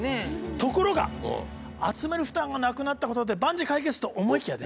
ところが集める負担がなくなったことで万事解決！と思いきやね。